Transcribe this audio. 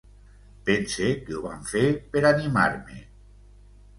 Pense que ho van fer per animar-me.